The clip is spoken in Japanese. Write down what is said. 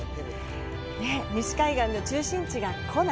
西海岸の中心地がコナ。